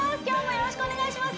よろしくお願いします！